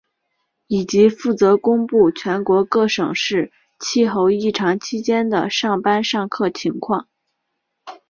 以及负责公布全国各县市气候异常期间的上班上课情况。